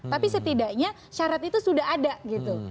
tapi setidaknya syarat itu sudah ada gitu